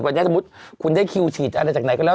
วันนี้สมมุติคุณได้คิวฉีดอะไรจากไหนก็แล้ว